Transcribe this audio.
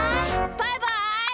バイバイ！